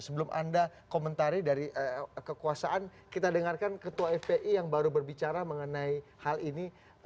sebelum anda komentari dari kekuasaan kita dengarkan ketua fpi yang baru berbicara mengenai hal ini